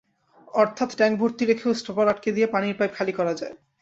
অর্থাৎ ট্যাংক ভর্তি রেখেও স্টপার আটকে দিয়ে পানির পাইপ খালি করা যায়।